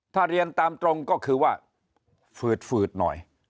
ถ้าเรียนตามตรงก็คือว่าฝืดฝืดหน่อย